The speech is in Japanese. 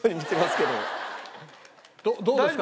どうですか？